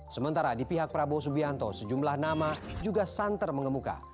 sementara di pihak prabowo subianto sejumlah nama juga santer mengemuka